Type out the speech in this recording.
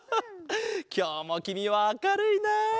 きょうもきみはあかるいな。